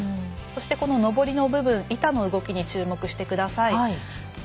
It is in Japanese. そしてこの、上りの部分板の動きに注目してください。